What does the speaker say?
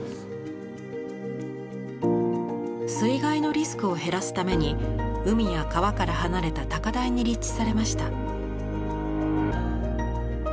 水害のリスクを減らすために海や川から離れた高台に立地されました。